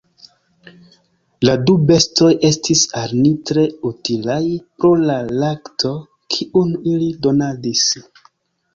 La du bestoj estis al ni tre utilaj pro la lakto, kiun ili donadis.